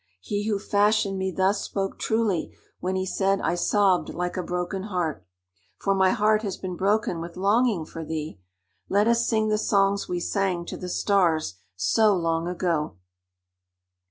He who fashioned me thus spoke truly when he said I sobbed like a broken heart, for my heart has been broken with longing for thee. Let us sing the songs we sang to the Stars so long ago."